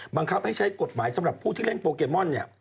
บังคับให้ใช้กฎหมายสำหรับผู้ที่เล่นโปเกมอนเนี่ย